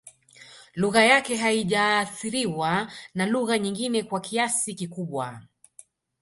Lugha yake haijaathiriwa na lugha nyingine kwa kiasi kikubwa